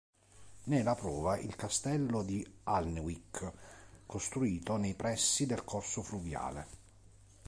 Ne è la prova il castello di Alnwick, costruito nei pressi del corso fluviale.